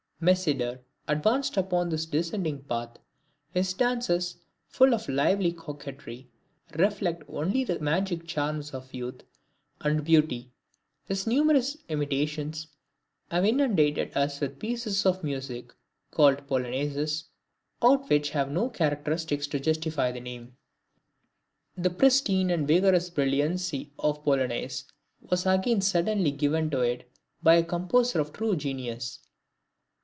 Meyseder advanced upon this descending path; his dances, full of lively coquetry, reflect only the magic charms of youth and beauty. His numerous imitations have inundated us with pieces of music, called Polonaises, out which have no characteristics to justify the name. The pristine and vigorous brilliancy of the Polonaise was again suddenly given to it by a composer of true genius.